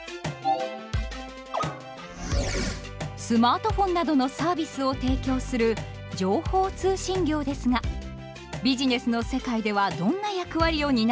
スマートフォンなどのサービスを提供する情報通信業ですがビジネスの世界ではどんな役割を担っているのでしょうか？